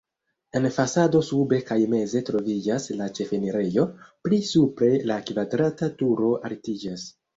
En fasado sube kaj meze troviĝas la ĉefenirejo, pli supre la kvadrata turo altiĝas.